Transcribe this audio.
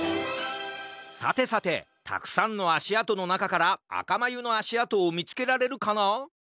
さてさてたくさんのあしあとのなかからあかまゆのあしあとをみつけられるかな？